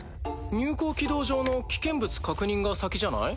入港軌道上の危険物確認が先じゃない？